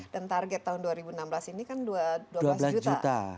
dan target tahun dua ribu enam belas ini kan dua belas juta